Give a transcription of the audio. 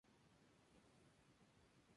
Este pueblo está comunicado por una carretera.